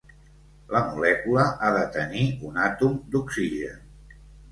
La molècula ha de tenir un àtom d'oxigen.